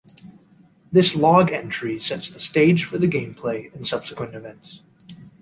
This log entry sets the stage for the game play and subsequent events.